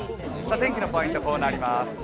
天気のポイント、こうなります。